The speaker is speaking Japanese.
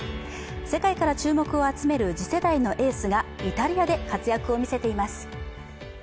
世界から注目を集める次世代のエースがイタリアで活躍を見せています。